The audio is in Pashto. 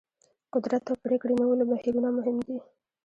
قدرت او پرېکړې نیولو بهیرونه مهم دي.